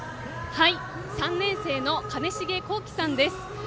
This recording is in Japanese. ３年生の金重光喜さんです。